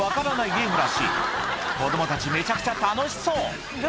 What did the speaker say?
ゲームらしい子供たちめちゃくちゃ楽しそう！